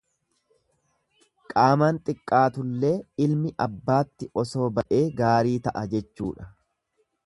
Qaamaan xiqqaatullee ilmi abbaatti osoo ba'ee gaarii ta'a jechuudha.